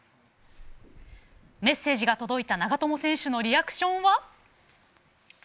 メッセージが届いた長友選手のリアクションは？